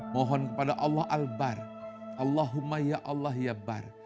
mohon kepada allah al bar allahumma ya allah ya bar